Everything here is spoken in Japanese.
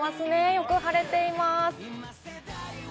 よく晴れています。